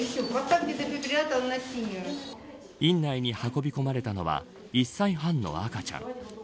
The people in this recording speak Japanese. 院内に運び込まれたのは１歳半の赤ちゃん。